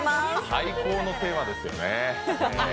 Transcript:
最高のテーマですよね。